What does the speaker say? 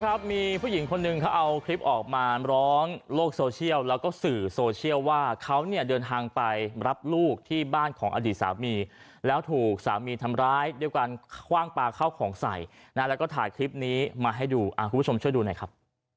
ครับมีผู้หญิงคนหนึ่งเขาเอาคลิปออกมาร้องโลกโซเชียลแล้วก็สื่อโซเชียลว่าเขาเนี่ยเดินทางไปรับลูกที่บ้านของอดีตสามีแล้วถูกสามีทำร้ายด้วยการคว่างปลาเข้าของใส่นะแล้วก็ถ่ายคลิปนี้มาให้ดูคุณผู้ชมช่วยดูหน่อยครับ